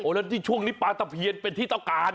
แล้วที่ช่วงนี้ปลาตะเพียนเป็นที่ต้องการ